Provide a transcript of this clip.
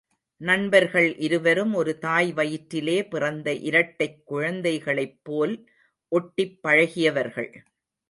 நண்பர்கள் இருவரும் ஒரு தாய் வயிற்றிலே பிறந்த இரட்டைக் குழந்தைகளைப் போல் ஒட்டிப் பழகியவர்கள்.